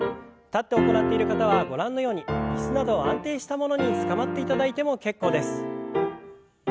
立って行っている方はご覧のように椅子など安定したものにつかまっていただいても結構です。